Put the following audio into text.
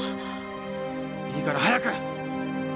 いいから早く！